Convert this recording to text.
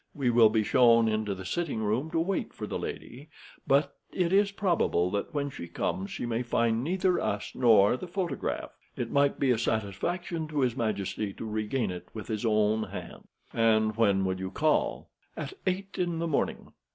We will be shown into the sitting room to wait for the lady, but it is probable that when she comes she may find neither us nor the photograph. It might be a satisfaction to his majesty to regain it with his own hands." "And when will you call?" "At eight in the morning.